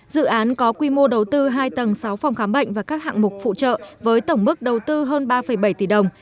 dự án có quy mô đầu tư hai tầng sáu phòng khám bệnh và các hạng mục phụ trợ với tổng mức đầu tư hơn ba bảy tỷ đồng